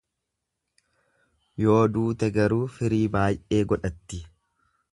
Yoo duute garuu firii baay’ee godhatti.